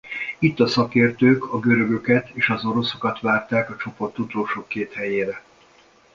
Itt a szakértők a görögöket és az oroszokat várták a csoport utolsó két helyére.